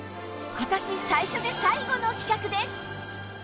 今年最初で最後の企画です